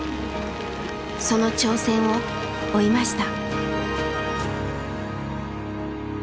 その挑戦を追いました。